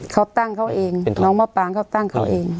เขาตั้งเขาเองน้องมะปางเขาตั้งเขาเอง